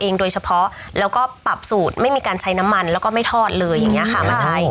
โดยเฉพาะแล้วก็ปรับสูตรไม่มีการใช้น้ำมันแล้วก็ไม่ทอดเลยอย่างนี้ค่ะมาใช้